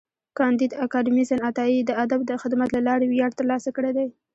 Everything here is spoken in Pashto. کانديد اکاډميسن عطایي د ادب د خدمت له لارې ویاړ ترلاسه کړی دی.